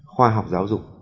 khoa học giáo dục